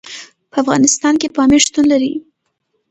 په افغانستان کې پامیر شتون لري.